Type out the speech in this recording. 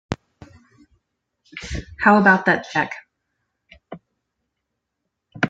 How about that check?